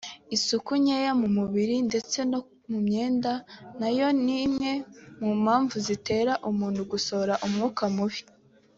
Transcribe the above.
Isuku nkeya ku mubiri ndetse no mu myenda nayo ni imwe mu mpamvu zitera umuntu gusohora umwuka mubi